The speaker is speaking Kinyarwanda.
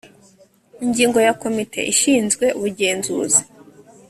Ingingo ya komite ishinzwe ubugenzuzi